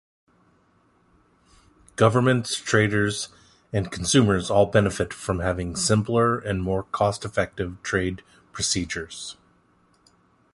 Governments, traders and consumers all benefit from having simpler and more cost-effective trade procedures.